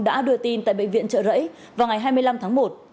đã đưa tin tại bệnh viện trợ rẫy vào ngày hai mươi năm tháng một